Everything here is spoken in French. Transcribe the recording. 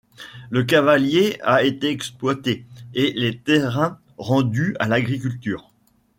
Le cavalier a été exploité, et les terrains rendus à l'agriculture.